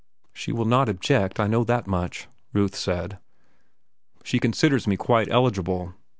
"She will not object, I know that much," Ruth said. "She considers me quite eligible?"